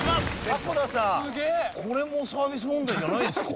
迫田さんこれもサービス問題じゃないんですか？